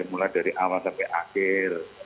mulai dari awal sampai akhir